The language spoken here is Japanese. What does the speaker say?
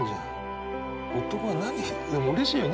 男は何でもうれしいよね